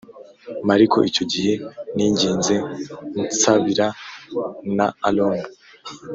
M ariko icyo gihe ninginze n nsabira na aroni